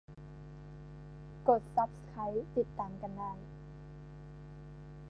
กดซับสไครบ์ติดตามกันได้